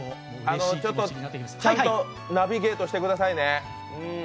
ちゃんとナビゲートしてくださいね。